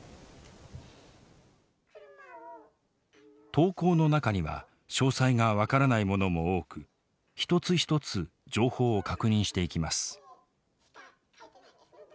投稿の中には詳細が分からないものも多く一つ一つ情報を確認していきます。